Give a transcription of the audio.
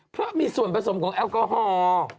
เพราะมีส่วนผสมของแอลกอฮอล์